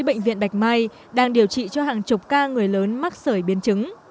bệnh viện bạch mai đang điều trị cho hàng chục ca người lớn mắc sợi biến chứng